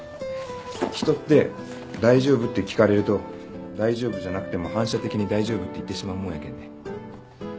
人って「大丈夫？」って聞かれると大丈夫じゃなくても反射的に「大丈夫」って言ってしまうもんやけんね